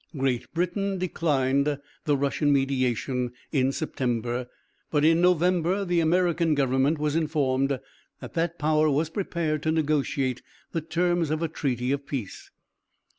Great Britain declined the Russian mediation in September; but in November the American government was informed that that power was prepared to negotiate the terms of a treaty of peace.